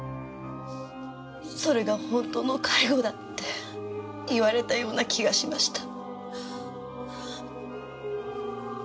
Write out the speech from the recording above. それが本当の介護だって言われたような気がしました。